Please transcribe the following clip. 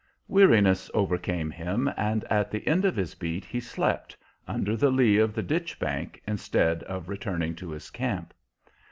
Weariness overcame him, and at the end of his beat he slept, under the lee of the ditch bank, instead of returning to his camp.